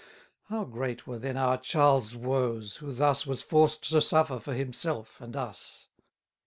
How great were then our Charles' woes, who thus Was forced to suffer for himself and us!